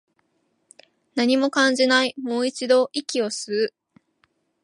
何も感じない、もう一度、息を吸う